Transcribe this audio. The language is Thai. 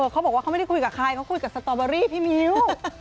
เขาบอกว่าเขาไม่ได้คุยกับใครเขาคุยกับสตอเบอรี่พี่มิ้ว